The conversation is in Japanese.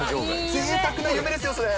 ぜいたくな夢ですよ、それ。